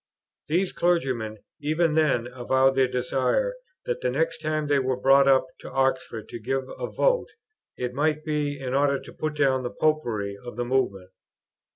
These clergymen even then avowed their desire, that the next time they were brought up to Oxford to give a vote, it might be in order to put down the Popery of the Movement.